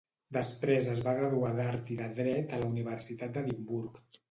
Després es va graduar d'art i de dret a la Universitat d'Edimburg.